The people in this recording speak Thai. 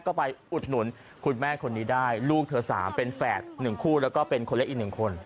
ก็ไปอุดหนุนคุณแม่คนนี้ได้ลูกเธอ๓เป็นแฝด๑คู่แล้วก็เป็นคนเล็กอีก๑คน